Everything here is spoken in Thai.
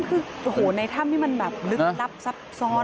อื้อหูในถ้ำนี้มันแบบลึกลับซับซ้อน